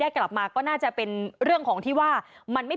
ทีนี้จากรายทื่อของคณะรัฐมนตรี